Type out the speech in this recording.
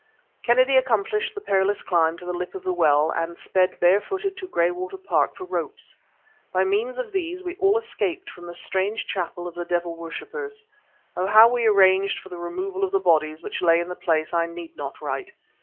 Kennedy accomplished the perilous climb to the lip of the well, and sped barefooted to Graywater Park for ropes. By means of these we all escaped from the strange chapel of the devil worshipers. Of how we arranged for the removal of the bodies which lay in the place I need not write.